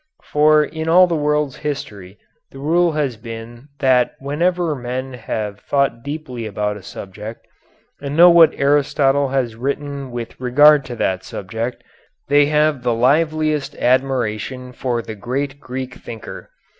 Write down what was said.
For in all the world's history the rule has been that whenever men have thought deeply about a subject and know what Aristotle has written with regard to that subject, they have the liveliest admiration for the great Greek thinker.